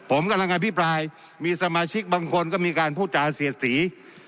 ผมกำลังอภิปรายมีสมาชิกบางคนก็มีการพูดจาเสียดสี